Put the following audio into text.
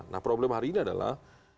nah problem hari ini adalah